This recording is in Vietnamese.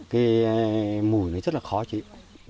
cái mùi nó rất là khó chịu